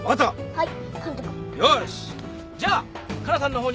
はい。